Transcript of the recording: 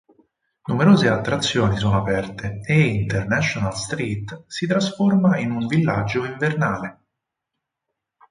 Numerose attrazioni sono aperte e "International Street" si trasforma in un villaggio invernale.